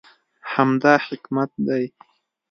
همدا حکمت دی.